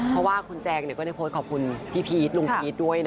เพราะว่าคุณแจงก็ได้โพสต์ขอบคุณพี่พีชลุงพีชด้วยนะ